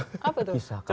kisah kasih di sekolah